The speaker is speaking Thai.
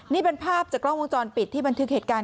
นี่เป็นภาพจากกล้องวงจรปิดที่บันทึกเหตุการณ์